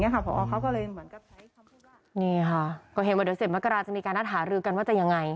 ครับผอเขาก็เลยเห็นว่าเดี๋ยวเสร็จมากราวจะเวียงในการทหารือกันว่าจะยังไง